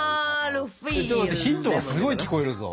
ちょっと待ってヒントがすごい聞こえるぞ。